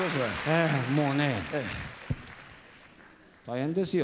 ええもうねえ大変ですよ